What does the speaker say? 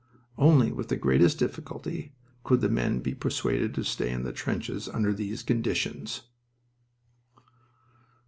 "Only with the greatest difficulty could the men be persuaded to stay in the trenches under those conditions."